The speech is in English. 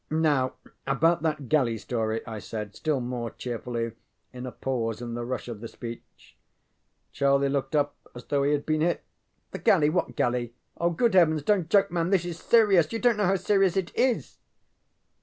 ŌĆ£Now, about that galley story, ŌĆØ I said, still more cheerfully, in a pause in the rush of the speech. Charlie looked up as though he had been hit. ŌĆ£The galley what galley? Good heavens, donŌĆÖt joke, man! This is serious! You donŌĆÖt know how serious it is!